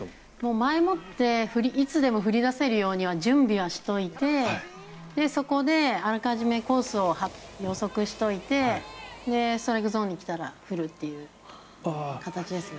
前もっていつでも振り出せるようには準備はしておいてそこであらかじめコースを予測しておいてストライクゾーンに来たら振るという形ですね。